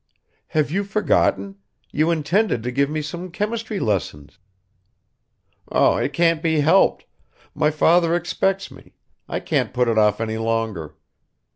"Have you forgotten? You intended to give me some chemistry lessons." "It can't be helped! My father expects me; I can't put it off any longer.